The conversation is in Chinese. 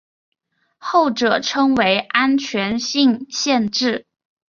后者称为安全性限制。